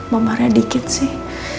memarah dikit sih